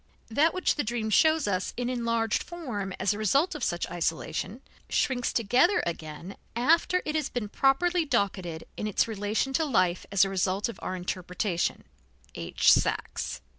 That which the dream shows us in enlarged form as a result of such isolation, shrinks together again after it has been properly docketed in its relation to life as a result of our interpretation (H. Sachs).